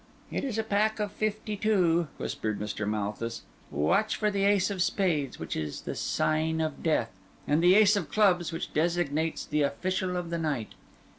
"It is a pack of fifty two," whispered Mr. Malthus. "Watch for the ace of spades, which is the sign of death, and the ace of clubs, which designates the official of the night.